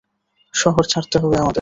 শহর ছাড়তে হবে আমাদের।